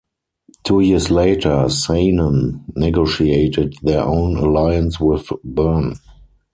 Two years later Saanen negotiated their own alliance with Bern.